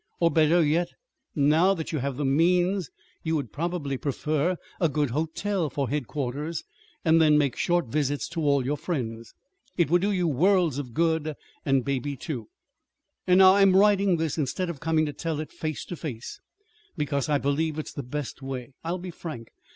Or, better yet, now that you have the means, you would probably prefer a good hotel for headquarters, and then make short visits to all your friends. It would do you worlds of good, and Baby, too. And now I'm writing this instead of coming to tell it face to face, because I believe it's the best way. I'll be frank.